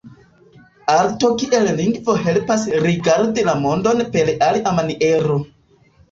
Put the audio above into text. Arto kiel lingvo helpas rigardi la mondon per alia maniero.